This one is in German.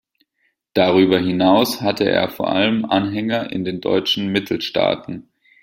Darüber hinaus hatte er vor allem Anhänger in den deutschen Mittelstaaten.